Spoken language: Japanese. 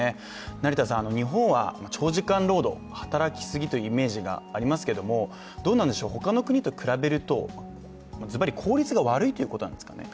成田さん、日本は長時間労働、働き過ぎというイメージがありますけどもどうなんでしょう、他の国と比べると効率が悪いということなんですかね？